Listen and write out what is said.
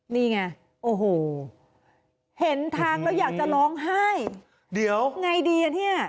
นี่ไงโอ้โหเห็นทางแล้วอยากจะร้องไห้เดี๋ยวไงดีอ่ะเนี่ย